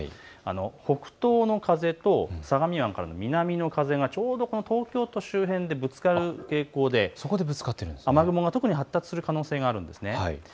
北東の風と相模湾からの南の風がちょうどこの東京の周辺でぶるかる傾向で雨雲が特に発達する可能性があるんです。